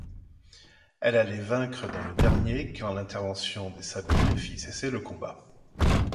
Il allait vaincre dans le dernier quand l'intervention des Sabines fit cesser le combat.